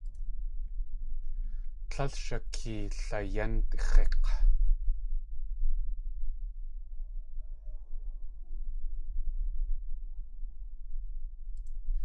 Líl shakeelayénx̲ik̲!